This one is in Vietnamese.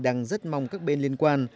đang rất mong các bên liên quan